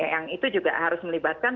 yang itu juga harus melibatkan